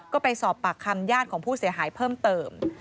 ก็ไปสอบปากคำญาติของผู้เสียหายเพิ่มเติม